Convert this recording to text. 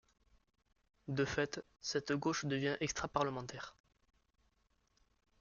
De fait, cette gauche devient extraparlementaire.